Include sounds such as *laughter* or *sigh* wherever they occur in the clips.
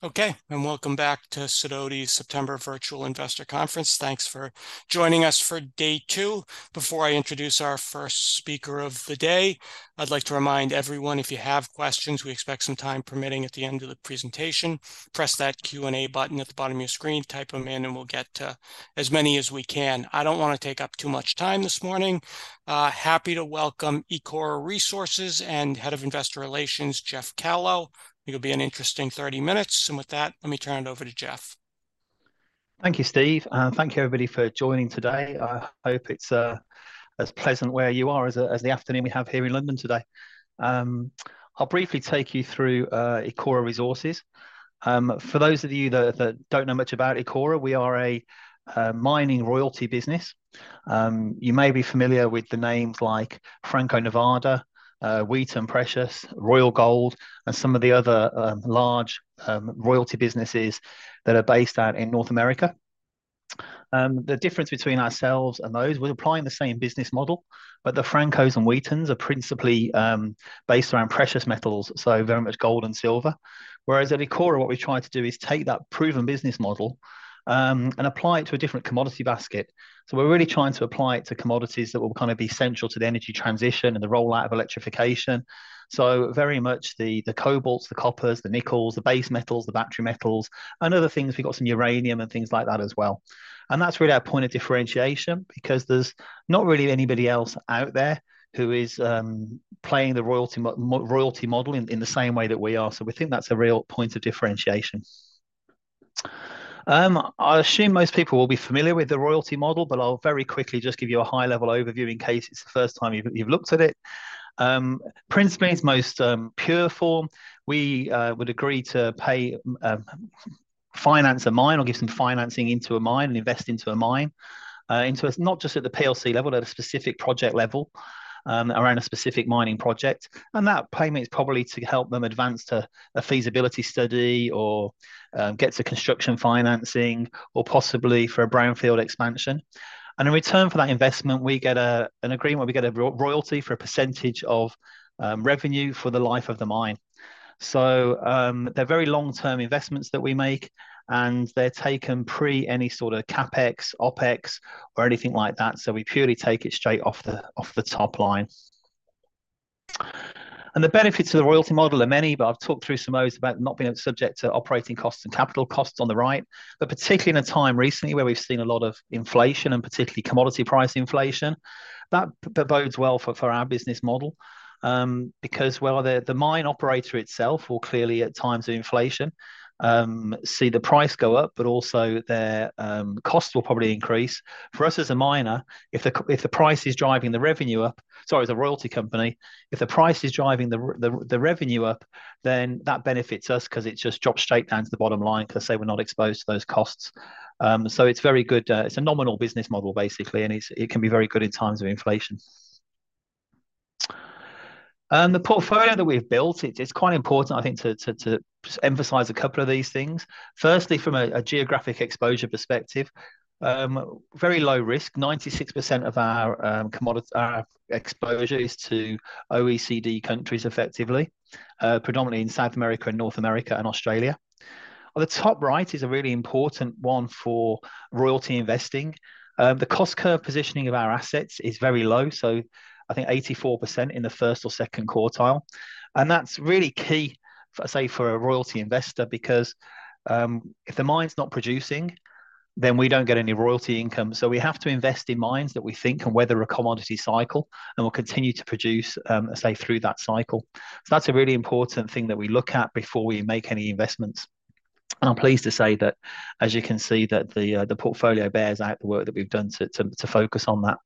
Okay, and welcome back to Sidoti's September Virtual Investor Conference. Thanks for joining us for day two. Before I introduce our first speaker of the day, I'd like to remind everyone, if you have questions, we expect some time permitting at the end of the presentation. Press that Q&A button at the bottom of your screen, type them in, and we'll get to as many as we can. I don't want to take up too much time this morning. Happy to welcome Ecora Resources and Head of Investor Relations, Geoff Callow. It'll be an interesting thirty minutes, and with that, let me turn it over to Geoff. Thank you, Steve, and thank you, everybody, for joining today. I hope it's as pleasant where you are as the afternoon we have here in London today. I'll briefly take you through Ecora Resources. For those of you that don't know much about Ecora, we are a mining royalty business. You may be familiar with the names like Franco-Nevada, Wheaton Precious, Royal Gold, and some of the other large royalty businesses that are based out in North America. The difference between ourselves and those, we're applying the same business model, but the Francos and Wheatons are principally based around precious metals, so very much gold and silver. Whereas at Ecora, what we try to do is take that proven business model and apply it to a different commodity basket. So we're really trying to apply it to commodities that will kind of be central to the energy transition and the rollout of electrification. So very much the cobalts, the coppers, the nickels, the base metals, the battery metals, and other things. We've got some uranium and things like that as well. And that's really our point of differentiation, because there's not really anybody else out there who is playing the royalty model in the same way that we are. So we think that's a real point of differentiation. I assume most people will be familiar with the royalty model, but I'll very quickly just give you a high-level overview in case it's the first time you've looked at it. Principally, its most pure form, we would agree to pay- Finance a mine or give some financing into a mine and invest into a mine. And so it's not just at the PLC level, but at a specific project level around a specific mining project, and that payment is probably to help them advance to a feasibility study or get to construction financing or possibly for a brownfield expansion. In return for that investment, we get an agreement, we get a royalty for a percentage of revenue for the life of the mine. They're very long-term investments that we make, and they're taken pre any sort of CapEx, OpEx, or anything like that. We purely take it straight off the top line. The benefits of the royalty model are many, but I've talked through some of those about not being subject to operating costs and capital costs on the right, but particularly in a time recently where we've seen a lot of inflation, and particularly commodity price inflation, that bodes well for our business model. Because while the mine operator itself will clearly, at times of inflation, see the price go up, but also their costs will probably increase. For us as a miner, if the price is driving the revenue up. Sorry, as a royalty company, if the price is driving the revenue up, then that benefits us because it just drops straight down to the bottom line, 'cause, say, we're not exposed to those costs. So it's very good, it's a nominal business model, basically, and it can be very good in times of inflation. The portfolio that we've built, it's quite important, I think, to emphasize a couple of these things. Firstly, from a geographic exposure perspective, very low risk. 96% of our exposure is to OECD countries, effectively, predominantly in South America and North America and Australia. On the top right is a really important one for royalty investing. The cost curve positioning of our assets is very low, so I think 84% in the first or second quartile. And that's really key, say, for a royalty investor, because, if the mine's not producing, then we don't get any royalty income. So we have to invest in mines that we think can weather a commodity cycle and will continue to produce, say, through that cycle. So that's a really important thing that we look at before we make any investments. And I'm pleased to say that, as you can see, the portfolio bears out the work that we've done to focus on that.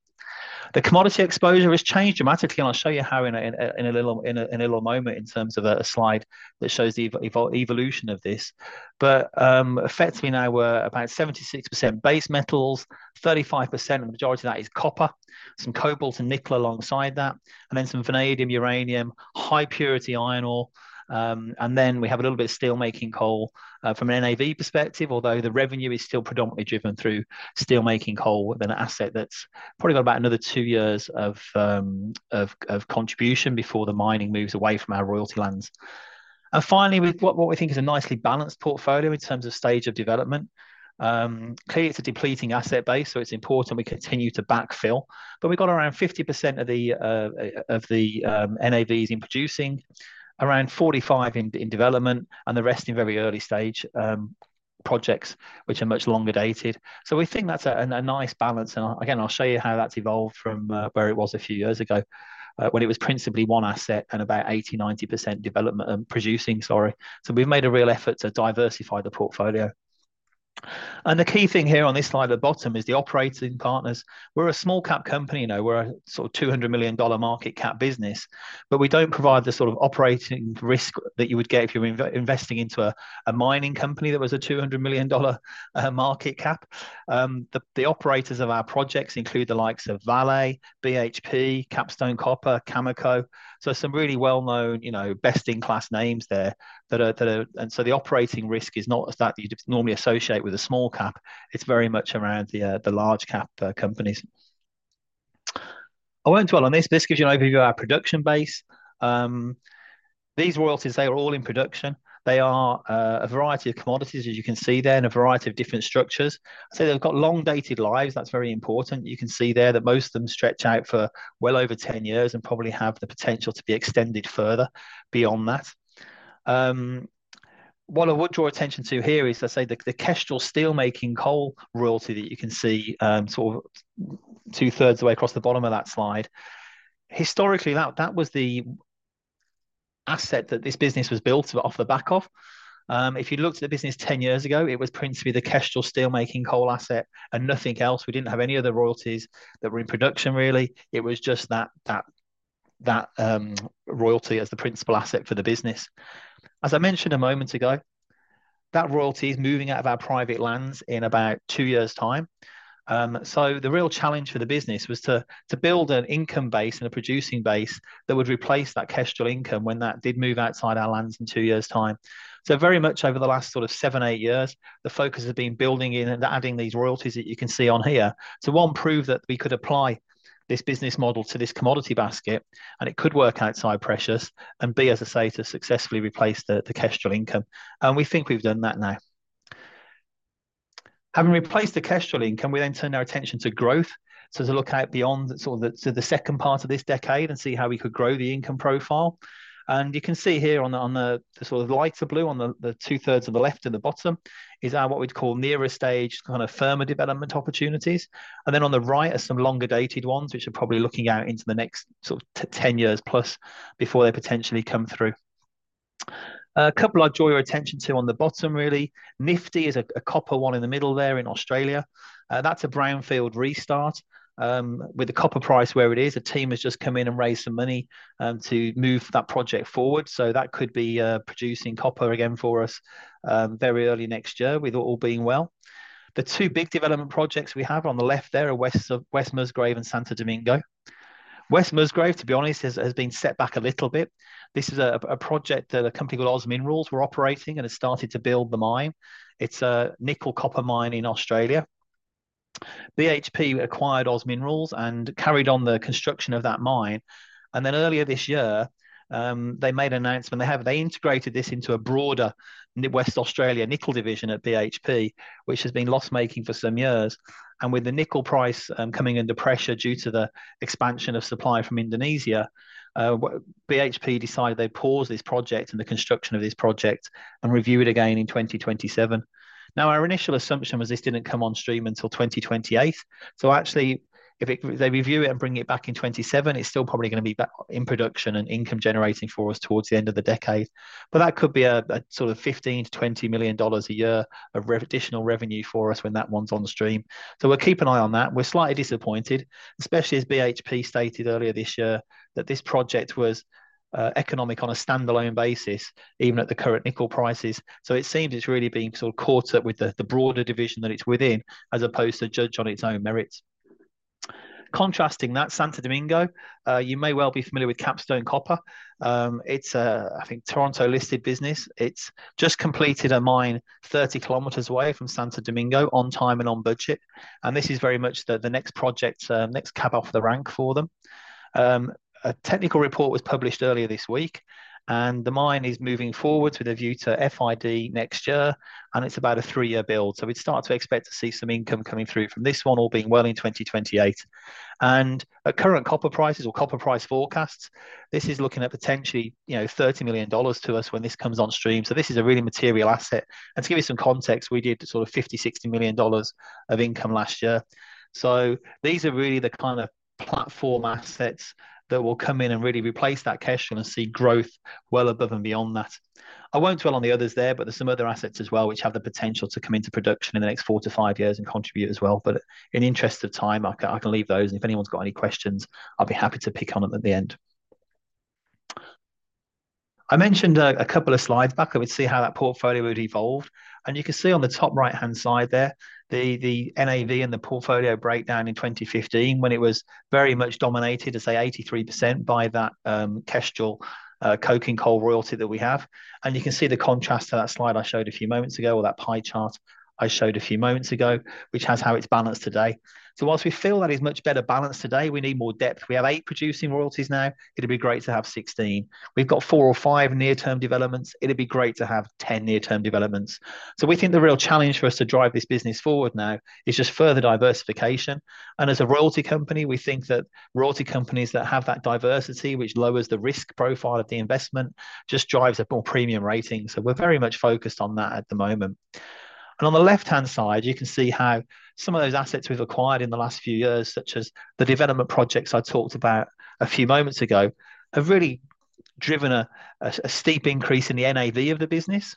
The commodity exposure has changed dramatically, and I'll show you how in a little moment in terms of a slide that shows the evolution of this. Effectively now we're about 76% base metals, 35%, the majority of that is copper, some cobalt and nickel alongside that, and then some vanadium, uranium, high-purity iron ore, and then we have a little bit of steelmaking coal. From an NAV perspective, although the revenue is still predominantly driven through steelmaking coal with an asset that's probably got about another two years of contribution before the mining moves away from our royalty lands. With what we think is a nicely balanced portfolio in terms of stage of development, clearly, it's a depleting asset base, so it's important we continue to backfill, but we've got around 50% of the NAVs in producing, around 45 in development, and the rest in very early-stage projects, which are much longer dated. So we think that's a nice balance. And again, I'll show you how that's evolved from where it was a few years ago, when it was principally one asset and about 80%-90% producing, sorry. We've made a real effort to diversify the portfolio. And the key thing here on this slide at the bottom is the operating partners. We're a small-cap company now. We're a sort of $200 million market cap business, but we don't provide the sort of operating risk that you would get if you were investing into a mining company that was a $200 million market cap. The operators of our projects include the likes of Vale, BHP, Capstone Copper, Cameco, so some really well-known, you know, best-in-class names there that are, and so the operating risk is not a stat that you'd normally associate with a small cap. It's very much around the large cap companies. I won't dwell on this, but this gives you an overview of our production base. These royalties, they are all in production. They are a variety of commodities, as you can see there, and a variety of different structures. So they've got long-dated lives, that's very important. You can see there that most of them stretch out for well over ten years, and probably have the potential to be extended further beyond that. What I would draw attention to here is, let's say, the Kestrel steelmaking coal royalty that you can see, sort of two-thirds of the way across the bottom of that slide. Historically, that was the asset that this business was built off the back of. If you looked at the business ten years ago, it was principally the Kestrel steelmaking coal asset and nothing else. We didn't have any other royalties that were in production, really, it was just that royalty as the principal asset for the business. As I mentioned a moment ago, that royalty is moving out of our private lands in about two years' time. The real challenge for the business was to build an income base and a producing base that would replace that Kestrel income when that did move outside our lands in two years' time. Very much over the last sort of seven, eight years, the focus has been building in and adding these royalties that you can see on here. One, prove that we could apply this business model to this commodity basket, and it could work outside precious, and b, as I say, to successfully replace the Kestrel income, and we think we've done that now. Having replaced the Kestrel income, we then turn our attention to growth, so to look out beyond sort of to the second part of this decade and see how we could grow the income profile. And you can see here on the sort of lighter blue, the two-thirds of the left and the bottom, is our what we'd call nearer stage, kind of firmer development opportunities. And then on the right are some longer-dated ones, which are probably looking out into the next sort of 10 years plus before they potentially come through. A couple I'd draw your attention to on the bottom, really. Nifty is a copper one in the middle there in Australia. That's a brownfield restart. With the copper price where it is, a team has just come in and raised some money to move that project forward. So that could be producing copper again for us very early next year, with all being well. The two big development projects we have on the left there are West Musgrave and Santo Domingo. West Musgrave, to be honest, has been set back a little bit. This is a project that a company called OZ Minerals were operating and has started to build the mine. It's a nickel copper mine in Australia. BHP acquired OZ Minerals and carried on the construction of that mine, and then earlier this year, they made an announcement. They integrated this into a broader West Australia nickel division at BHP, which has been loss-making for some years. With the nickel price coming under pressure due to the expansion of supply from Indonesia, BHP decided they'd pause this project and the construction of this project and review it again in twenty twenty-seven. Now, our initial assumption was this didn't come on stream until 2028, so actually, if they review it and bring it back in 2027, it's still probably gonna be back up in production and income-generating for us towards the end of the decade. But that could be a sort of $15 million-$20 million a year of additional revenue for us when that one's on the stream. So we'll keep an eye on that. We're slightly disappointed, especially as BHP stated earlier this year, that this project was economic on a standalone basis, even at the current nickel prices. So it seems it's really been sort of caught up with the broader division that it's within, as opposed to judged on its own merits. Contrasting that, Santo Domingo, you may well be familiar with Capstone Copper. It's a, I think, Toronto-listed business. It's just completed a mine 30 km away from Santo Domingo, on time and on budget, and this is very much the next project, next cab off the rank for them. A technical report was published earlier this week, and the mine is moving forward with a view to FID next year, and it's about a three-year build. So we'd start to expect to see some income coming through from this one, all being well, in 2028. And at current copper prices or copper price forecasts, this is looking at potentially, you know, $30 million to us when this comes on stream. So this is a really material asset. And to give you some context, we did sort of $50 million-$60 million of income last year. So these are really the kind of platform assets that will come in and really replace that Kestrel and see growth well above and beyond that. I won't dwell on the others there, but there's some other assets as well, which have the potential to come into production in the next four to five years and contribute as well. But in the interest of time, I can, I can leave those, and if anyone's got any questions, I'll be happy to pick on them at the end. I mentioned a couple of slides back, I would see how that portfolio would evolve, and you can see on the top right-hand side there, the NAV and the portfolio breakdown in 2015, when it was very much dominated, as I say, 83% by that, Kestrel, coking coal royalty that we have. You can see the contrast to that slide I showed a few moments ago, or that pie chart I showed a few moments ago, which has how it's balanced today. Whilst we feel that is much better balanced today, we need more depth. We have eight producing royalties now, it'd be great to have 16. We've got four or five near-term developments, it'd be great to have 10 near-term developments. We think the real challenge for us to drive this business forward now is just further diversification. As a royalty company, we think that royalty companies that have that diversity, which lowers the risk profile of the investment, just drives a more premium rating. We're very much focused on that at the moment. On the left-hand side, you can see how some of those assets we've acquired in the last few years, such as the development projects I talked about a few moments ago, have really driven a steep increase in the NAV of the business,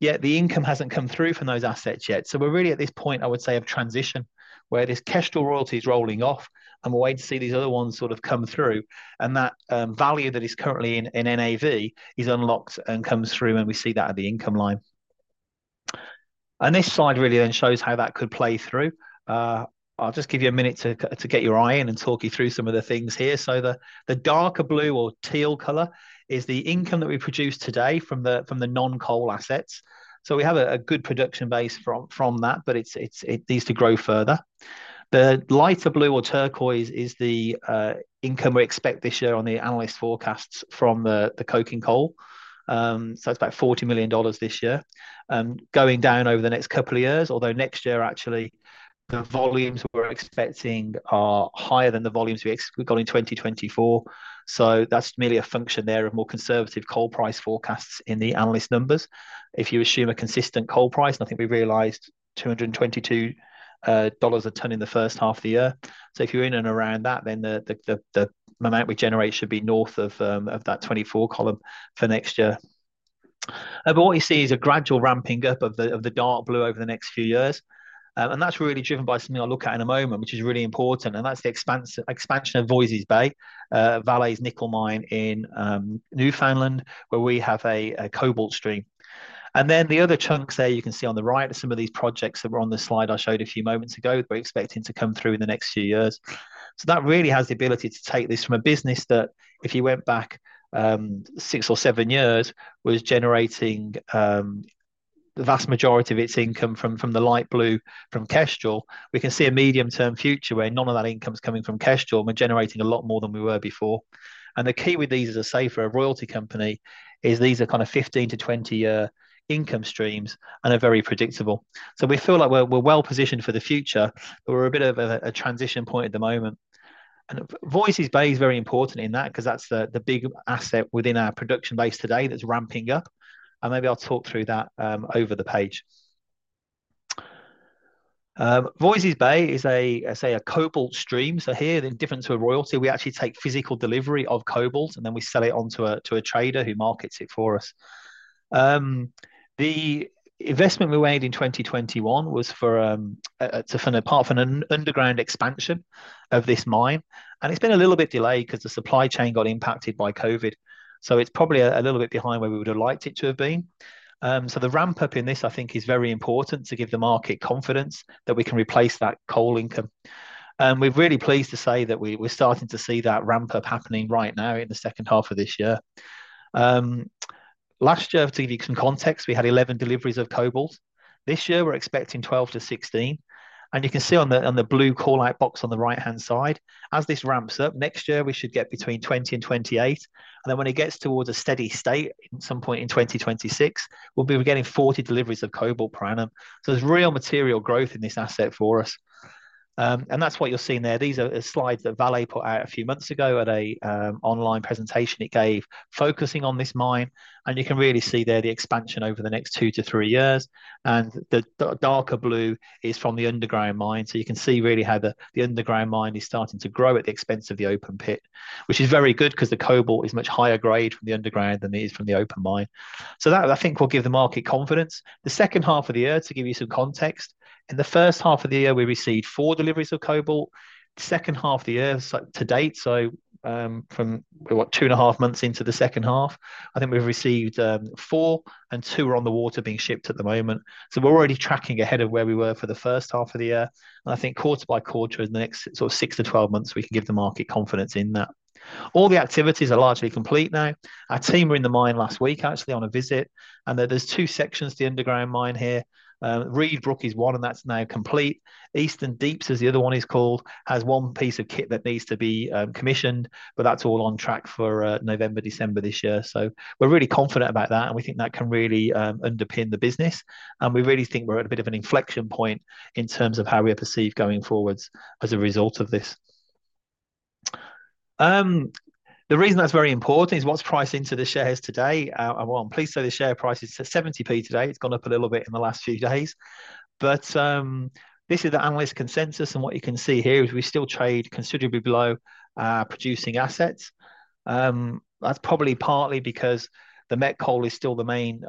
yet the income hasn't come through from those assets yet. We're really, at this point, I would say, of transition, where this Kestrel royalty is rolling off, and we're waiting to see these other ones sort of come through. That value that is currently in NAV is unlocked and comes through, and we see that at the income line. This slide really then shows how that could play through. I'll just give you a minute to get your eye in and talk you through some of the things here. So the darker blue or teal color is the income that we produce today from the non-coal assets. We have a good production base from that, but it needs to grow further. The lighter blue or turquoise is the income we expect this year on the analyst forecasts from the coking coal. So that's about 40 million this year. Going down over the next couple of years, although next year, actually, the volumes we're expecting are higher than the volumes we got in twenty twenty-four. So that's merely a function there of more conservative coal price forecasts in the analyst numbers. If you assume a consistent coal price, and I think we realized $222 a ton in the first half of the year. If you're in and around that, then the amount we generate should be north of that 2024 column for next year. What you see is a gradual ramping up of the dark blue over the next few years, and that's really driven by something I'll look at in a moment, which is really important, and that's the expansion of Voisey's Bay, Vale's nickel mine in Newfoundland, where we have a cobalt stream. The other chunks there, you can see on the right, are some of these projects that were on the slide I showed a few moments ago, that we're expecting to come through in the next few years. So that really has the ability to take this from a business that, if you went back, six or seven years, was generating, the vast majority of its income from, from the light blue, from Kestrel. We can see a medium-term future where none of that income is coming from Kestrel, and we're generating a lot more than we were before. And the key with these, as I say, for a royalty company, is these are kind of 15-20 year income streams, and they're very predictable. So we feel like we're, we're well-positioned for the future, but we're a bit of a, a transition point at the moment. And Voisey's Bay is very important in that, 'cause that's the, the big asset within our production base today that's ramping up, and maybe I'll talk through that, over the page. Voisey's Bay is, I say, a cobalt stream, so here, the difference to a royalty, we actually take physical delivery of cobalt, and then we sell it on to a trader who markets it for us. The investment we made in 2021 was for a part of an underground expansion of this mine, and it's been a little bit delayed, 'cause the supply chain got impacted by COVID, so it's probably a little bit behind where we would have liked it to have been. So the ramp-up in this, I think, is very important to give the market confidence that we can replace that coal income. We're really pleased to say that we're starting to see that ramp-up happening right now in the second half of this year. Last year, to give you some context, we had eleven deliveries of cobalt. This year, we're expecting 12-16, and you can see on the blue call-out box on the right-hand side, as this ramps up, next year, we should get between 20 and 28, and then when it gets towards a steady state, at some point in 2026, we'll be getting 40 deliveries of cobalt per annum. So there's real material growth in this asset for us. And that's what you're seeing there. These are a slide that Vale put out a few months ago at an online presentation it gave, focusing on this mine, and you can really see there the expansion over the next two to three years, and the darker blue is from the underground mine. So you can see really how the underground mine is starting to grow at the expense of the open pit, which is very good, 'cause the cobalt is much higher grade from the underground than it is from the open mine. So that, I think, will give the market confidence. The second half of the year, to give you some context, in the first half of the year, we received four deliveries of cobalt. The second half of the year, so to date, from what, two and a half months into the second half, I think we've received four, and two are on the water being shipped at the moment. We're already tracking ahead of where we were for the first half of the year, and I think quarter by quarter in the next sort of six to twelve months, we can give the market confidence in that. All the activities are largely complete now. Our team were in the mine last week, actually, on a visit, and there's two sections to the underground mine here. Reid Brook is one, and that's now complete. Eastern Deeps, as the other one is called, has one piece of kit that needs to be commissioned, but that's all on track for November, December this year. We're really confident about that, and we think that can really underpin the business, and we really think we're at a bit of an inflection point in terms of how we are perceived going forwards as a result of this. The reason that's very important is what's priced into the shares today, and well, I'm pleased to say the share price is 70p today. It's gone up a little bit in the last few days. But this is the analyst consensus, and what you can see here is we still trade considerably below producing assets. That's probably partly because the met coal is still the main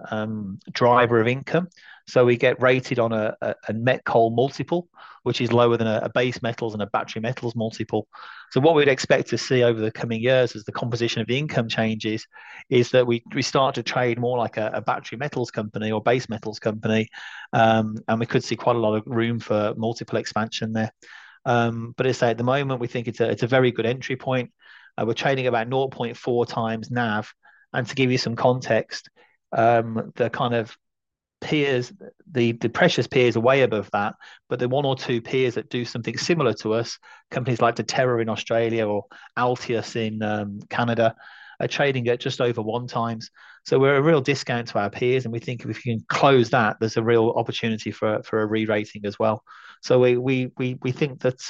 driver of income, so we get rated on a met coal multiple, which is lower than a base metals and a battery metals multiple. So what we'd expect to see over the coming years, as the composition of the income changes, is that we start to trade more like a battery metals company or base metals company, and we could see quite a lot of room for multiple expansion there. As I say, at the moment, we think it's a very good entry point. We're trading about 0.4 times NAV, and to give you some context, the kind of peers: the precious peers are way above that, but the one or two peers that do something similar to us, companies like Deterra in Australia or Altius in Canada, are trading at just over one times. So we're at a real discount to our peers, and we think if we can close that, there's a real opportunity for a re-rating as well. We think that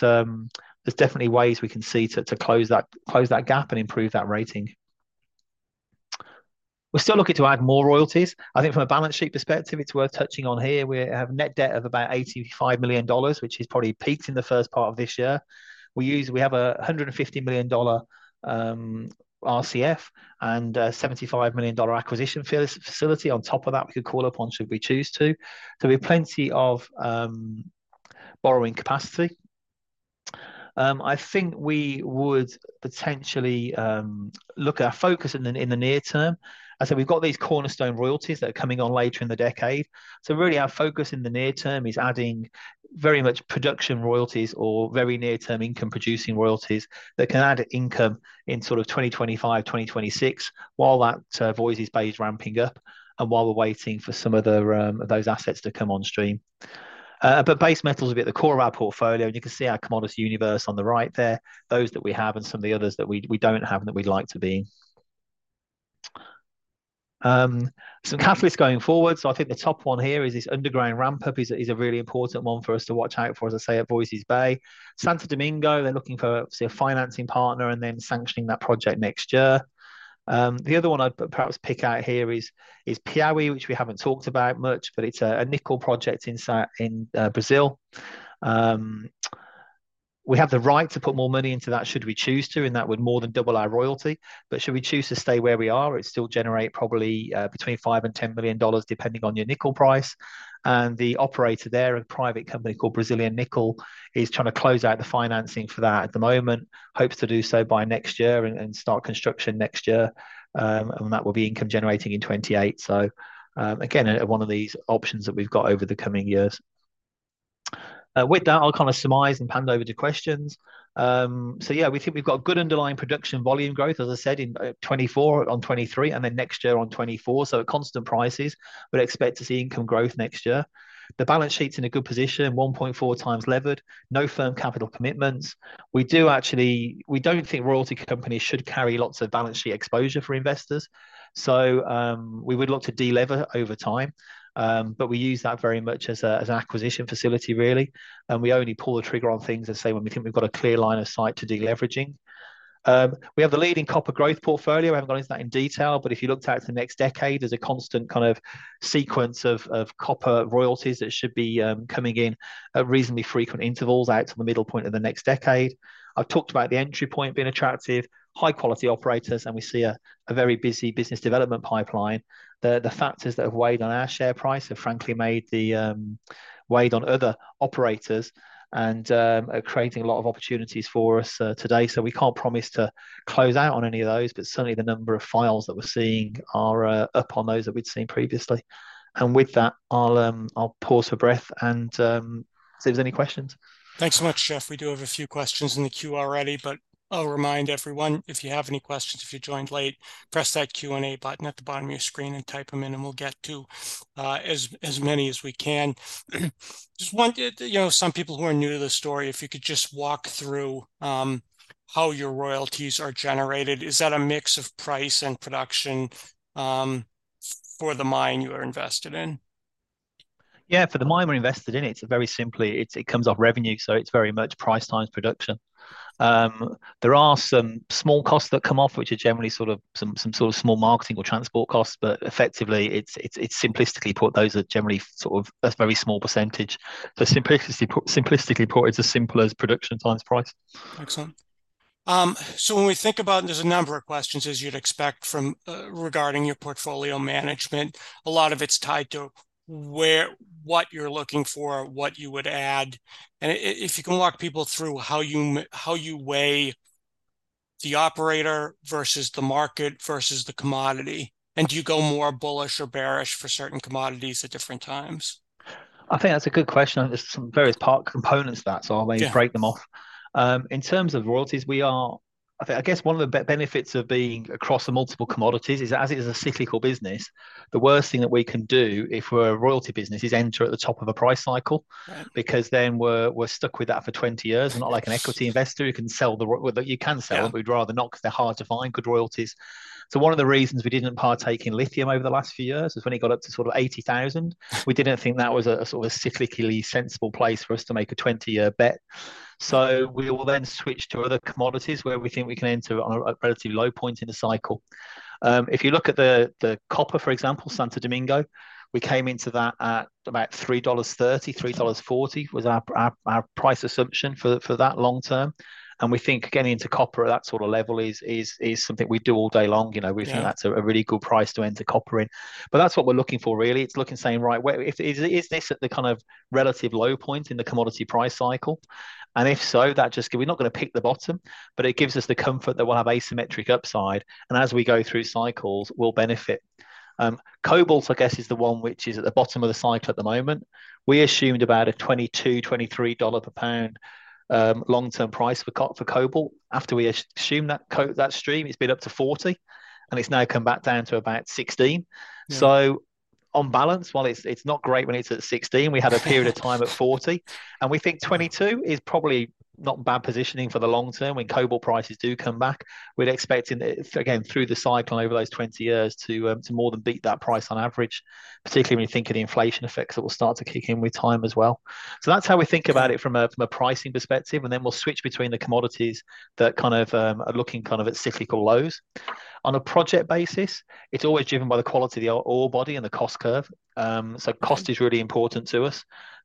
there's definitely ways we can see to close that gap and improve that rating. We're still looking to add more royalties. I think from a balance sheet perspective, it's worth touching on here, we have net debt of about $85 million, which has probably peaked in the first part of this year. We have a $150 million dollar RCF, and a $75 million dollar acquisition facility on top of that we could call upon should we choose to. So we have plenty of borrowing capacity. I think we would potentially look at our focus in the near term. I'd say we've got these cornerstone royalties that are coming on later in the decade, so really, our focus in the near term is adding very much production royalties or very near-term income-producing royalties that can add income in sort of 2025, 2026, while that Voisey's Bay is ramping up and while we're waiting for some other those assets to come on stream, but base metals will be at the core of our portfolio, and you can see our commodities universe on the right there, those that we have and some of the others that we don't have and that we'd like to be. Some catalysts going forward. I think the top one here is this underground ramp up is a really important one for us to watch out for, as I say, at Voisey's Bay. Santo Domingo, they're looking for, obviously, a financing partner and then sanctioning that project next year. The other one I'd perhaps pick out here is Piaui, which we haven't talked about much, but it's a nickel project in Brazil. We have the right to put more money into that should we choose to, and that would more than double our royalty. But should we choose to stay where we are, it'd still generate probably between $5 million and $10 million, depending on your nickel price. And the operator there, a private company called Brazilian Nickel, is trying to close out the financing for that at the moment. Hopes to do so by next year and start construction next year. And that will be income generating in 2028. So, again, one of these options that we've got over the coming years. With that, I'll kind of surmise and hand over to questions. So yeah, we think we've got good underlying production volume growth, as I said, in 2024 on 2023, and then next year on 2024. So at constant prices, we'd expect to see income growth next year. The balance sheet's in a good position, 1.4 times levered, no firm capital commitments. We do actually. We don't think royalty companies should carry lots of balance sheet exposure for investors, so we would look to de-lever over time. But we use that very much as a, as an acquisition facility, really, and we only pull the trigger on things, let's say, when we think we've got a clear line of sight to de-leveraging. We have the leading copper growth portfolio. I haven't gone into that in detail, but if you looked out to the next decade, there's a constant kind of sequence of copper royalties that should be coming in at reasonably frequent intervals out to the middle point of the next decade. I've talked about the entry point being attractive, high-quality operators, and we see a very busy business development pipeline. The factors that have weighed on our share price have frankly weighed on other operators and are creating a lot of opportunities for us today. So we can't promise to close out on any of those, but certainly, the number of files that we're seeing are up on those that we'd seen previously. And with that, I'll pause for breath and see if there's any questions? Thanks so much, Geoff. We do have a few questions in the queue already, but I'll remind everyone, if you have any questions, if you joined late, press that Q&A button at the bottom of your screen and type them in, and we'll get to as many as we can. Just one, you know, some people who are new to the story, if you could just walk through how your royalties are generated. Is that a mix of price and production for the mine you are invested in? Yeah, for the mine we're invested in, it's very simply, it comes off revenue, so it's very much price times production. There are some small costs that come off, which are generally sort of some sort of small marketing or transport costs, but effectively, it's simplistically put, those are generally sort of a very small percentage. So simplistically put, it's as simple as production times price. Excellent. So when we think about, there's a number of questions, as you'd expect, from regarding your portfolio management. A lot of it's tied to what you're looking for, what you would add, and if you can walk people through how you weigh the operator versus the market versus the commodity, and do you go more bullish or bearish for certain commodities at different times? I think that's a good question, and there's some various components to that, so I may- Yeah Break them off. In terms of royalties, I think, I guess one of the benefits of being across the multiple commodities is that as it is a cyclical business, the worst thing that we can do if we're a royalty business is enter at the top of a price cycle- Yeah Because then we're stuck with that for 20 years. We're not like an equity investor who can sell the - well, you can sell- Yeah But we'd rather not, 'cause they're hard to find, good royalties. So one of the reasons we didn't partake in lithium over the last few years is when it got up to sort of $80,000, we didn't think that was a sort of cyclically sensible place for us to make a twenty-year bet. So we will then switch to other commodities where we think we can enter on a relatively low point in the cycle. If you look at the copper, for example, Santo Domingo, we came into that at about $3.30, $3.40 was our price assumption for that long term. And we think getting into copper at that sort of level is something we do all day long. You know- Yeah We think that's a really good price to enter copper in. But that's what we're looking for, really. It's looking, saying, "Right, where is this at the kind of relative low point in the commodity price cycle?" And if so, that just, we're not gonna pick the bottom, but it gives us the comfort that we'll have asymmetric upside, and as we go through cycles, we'll benefit. Cobalt, I guess, is the one which is at the bottom of the cycle at the moment. We assumed about a $22-$23 per pound long-term price for cobalt. After we assumed that stream, it's been up to $40, and it's now come back down to about $16. So on balance, while it's not great when it's at 16, we had a period of time at 40, and we think 22 is probably not bad positioning for the long term. When cobalt prices do come back, we'd expect it, again, through the cycle over those 20 years, to more than beat that price on average, particularly when you think of the inflation effects that will start to kick in with time as well. So that's how we think about it from a pricing perspective, and then we'll switch between the commodities that kind of are looking kind of at cyclical lows. On a project basis, it's always driven by the quality of the ore body and the cost curve. So cost is really important to us,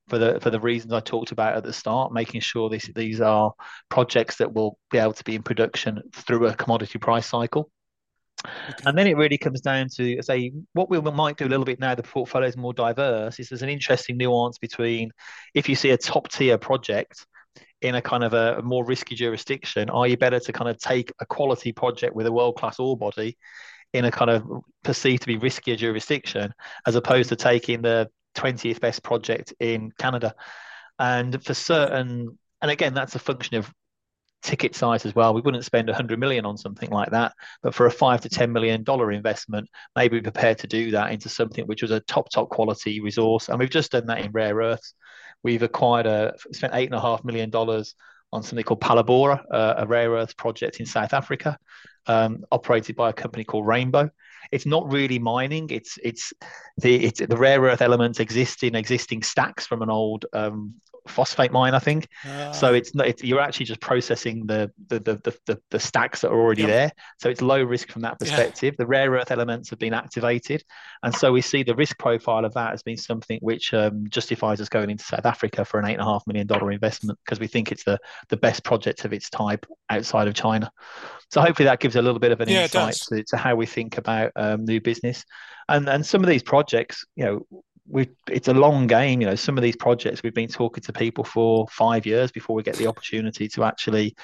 for the reasons I talked about at the start, making sure these are projects that will be able to be in production through a commodity price cycle. And then it really comes down to, say, what we might do a little bit now the portfolio is more diverse, is there's an interesting nuance between if you see a top-tier project in a kind of more risky jurisdiction, are you better to kind of take a quality project with a world-class ore body in a kind of perceived to be riskier jurisdiction, as opposed to taking the twentieth-best project in Canada? And again, that's a function of ticket size as well. We wouldn't spend $100 million on something like that, but for a $5 million-$10 million investment, we may be prepared to do that into something which is a top, top quality resource, and we've just done that in rare earths. We've spent $8.5 million on something called Phalaborwa, a rare earth project in South Africa, operated by a company called Rainbow. It's not really mining, it's the rare earth elements exist in existing stacks from an old phosphate mine, I think. Yeah. So it's not. You're actually just processing the stacks that are already there. Yeah. So it's low risk from that perspective. Yeah. The rare earth elements have been activated, and so we see the risk profile of that as being something which justifies us going into South Africa for an $8.5 million investment, 'cause we think it's the best project of its type outside of China. So hopefully that gives a little bit of an insight. Yeah, it does. To how we think about new business. And some of these projects, you know, it's a long game. You know, some of these projects, we've been talking to people for five years before we get the opportunity to actually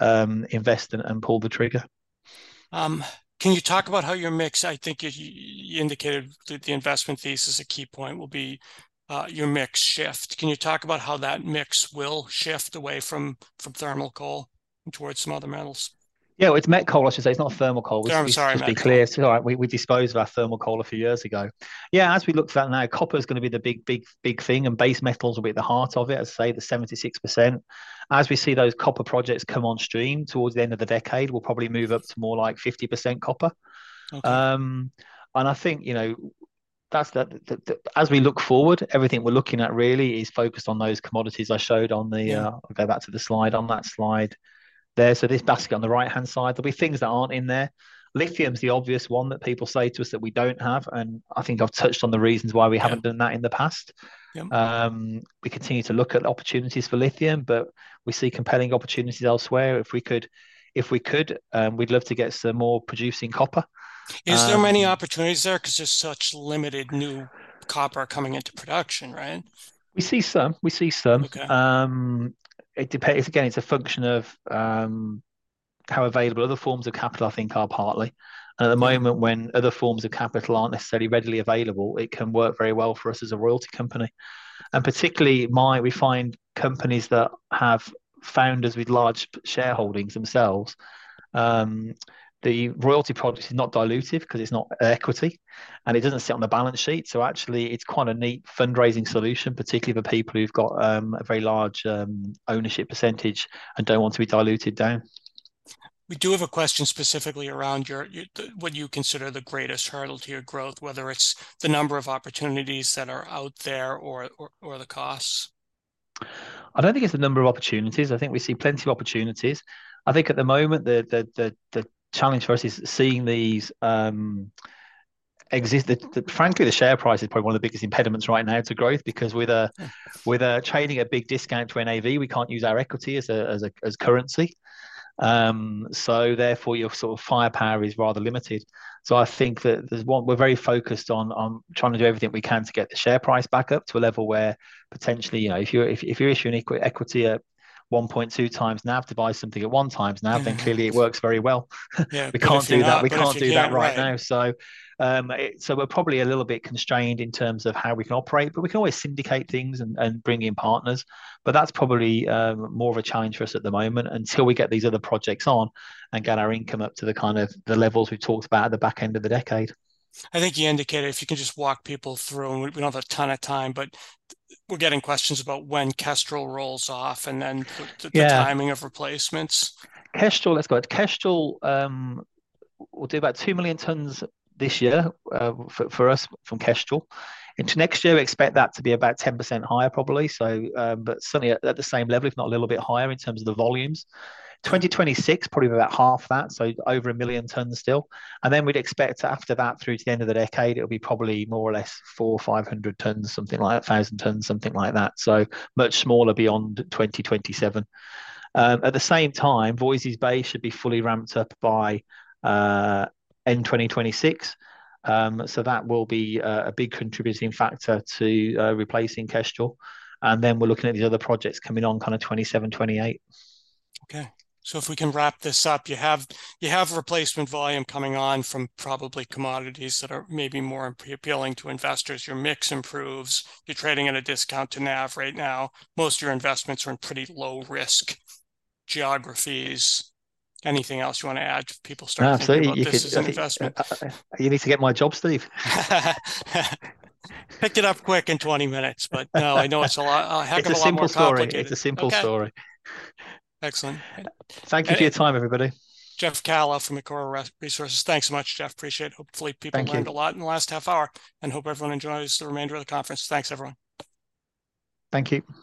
invest and pull the trigger. Can you talk about how your mix, I think you indicated that the investment thesis, a key point will be, your mix shift. Can you talk about how that mix will shift away from thermal coal towards some other metals? Yeah, well, it's met coal, I should say. It's not thermal coal- I'm sorry, met coal. Just to be clear. So we disposed of our thermal coal a few years ago. Yeah, as we look out now, copper is gonna be the big, big, big thing, and base metals will be at the heart of it, as I say, the 76%. As we see those copper projects come on stream towards the end of the decade, we'll probably move up to more like 50% copper. Okay. And I think, you know, that's as we look forward, everything we're looking at really is focused on those commodities I showed on the. Yeah I'll go back to the slide, on that slide there. So this basket on the right-hand side, there'll be things that aren't in there. Lithium is the obvious one that people say to us that we don't have, and I think I've touched on the reasons why- Yeah We haven't done that in the past. Yep. We continue to look at opportunities for lithium, but we see compelling opportunities elsewhere. If we could, we'd love to get some more producing copper. Is there many opportunities there? 'Cause there's such limited new copper coming into production, right? We see some. Okay. It depends. Again, it's a function of how available other forms of capital, I think, are partly. And at the moment, when other forms of capital aren't necessarily readily available, it can work very well for us as a royalty company. And particularly, we find companies that have founders with large shareholdings themselves. The royalty project is not dilutive because it's not equity, and it doesn't sit on the balance sheet. So actually it's quite a neat fundraising solution, particularly for people who've got a very large ownership percentage and don't want to be diluted down. We do have a question specifically around what you consider the greatest hurdle to your growth, whether it's the number of opportunities that are out there or the costs? I don't think it's the number of opportunities. I think we see plenty of opportunities. I think at the moment, the challenge for us is seeing these. That, frankly, the share price is probably one of the biggest impediments right now to growth, because with a- Yeah With a trading at big discount to NAV, we can't use our equity as currency. So therefore, your sort of firepower is rather limited. So I think that we're very focused on trying to do everything we can to get the share price back up to a level where potentially, you know, if you're issuing equity at one point two times NAV to buy something at one times NAV, Then clearly it works very well. Yeah. We can't do that. *crosstalk* But if you're not, if you can't- We can't do that right now. Right. So we're probably a little bit constrained in terms of how we can operate, but we can always syndicate things and bring in partners. But that's probably more of a challenge for us at the moment until we get these other projects on and get our income up to the kind of the levels we've talked about at the back end of the decade. I think you indicated, if you can just walk people through, and we don't have a ton of time, but we're getting questions about when Kestrel rolls off and then the- Yeah The timing of replacements. Kestrel, let's go ahead. Kestrel, we'll do about 2 million tons this year, for us from Kestrel. Into next year, we expect that to be about 10% higher, probably so, but certainly at the same level, if not a little bit higher in terms of the volumes. 2026, probably about half that, so over 1 million tons still. And then we'd expect after that, through to the end of the decade, it'll be probably more or less 400 or 500 tons, something like that, 1,000 tons, something like that. So much smaller beyond 2027. At the same time, Voisey's Bay should be fully ramped up by end of 2026. So that will be a big contributing factor to replacing Kestrel, and then we're looking at these other projects coming on kind of 2027, 2028. Okay. So if we can wrap this up, you have replacement volume coming on from probably commodities that are maybe more appealing to investors. Your mix improves. You're trading at a discount to NAV right now. Most of your investments are in pretty low-risk geographies. Anything else you want to add if people start thinking- No, see- About this as an investment? You need to get my job, Steve. Picked it up quick in twenty minutes, but no, I know it's a lot, heck of a lot more complicated. It's a simple story. It's a simple story. Okay. Excellent. Thank you for your time, everybody. Geoff Callow from Ecora Resources. Thanks so much, Geoff. Appreciate it. Hopefully, people- Thank you Learned a lot in the last half hour, and hope everyone enjoys the remainder of the conference. Thanks, everyone. Thank you.